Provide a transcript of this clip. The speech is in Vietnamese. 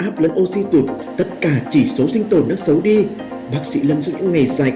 bác sĩ lâm dưỡng những ngày dài